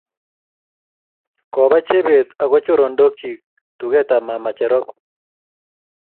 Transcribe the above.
koba Chebet ago chorondochik duketab mamatab cherop